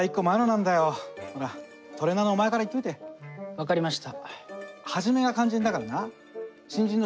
分かりました。